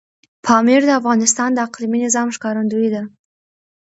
پامیر د افغانستان د اقلیمي نظام ښکارندوی ده.